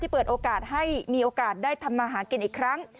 เปิดโอกาสให้มีโอกาสได้ทำมาหากินอีกครั้ง